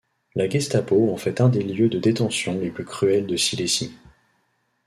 La Gestapo en fait un des lieux de détention les plus cruels de Silésie.